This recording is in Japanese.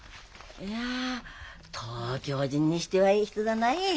いや東京人にしてはいい人だない。